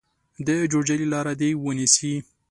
د جوړجاړي لاره دې ونیسي.